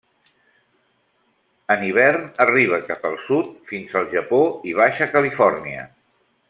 En hivern arriba cap al sud fins al Japó i Baixa Califòrnia.